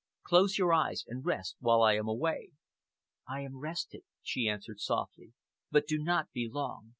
Close your eyes and rest while I am away." "I am rested," she answered softly, "but do not be long.